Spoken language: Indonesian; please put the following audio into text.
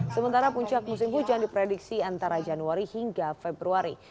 sementara puncak musim hujan diprediksi antara januari hingga februari